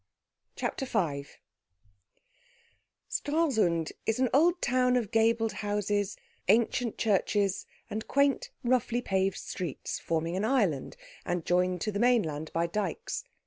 CHAPTER V Stralsund is an old town of gabled houses, ancient churches, and quaint, roughly paved streets, forming an island, and joined to the mainland by dikes.